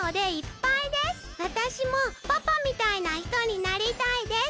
わたしもパパみたいなひとになりたいです。